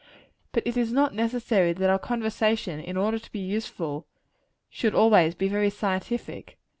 But it is not necessary that our conversation, in order to be useful, should always be very scientific.